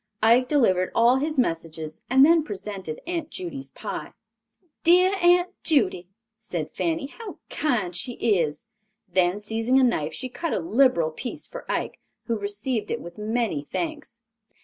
Ike delivered all his messages and then presented Aunt Judy's pie. "Dear Aunt Judy," said Fanny, "how kind she is." Then seizing a knife she cut a liberal piece for Ike, who received it with many thanks.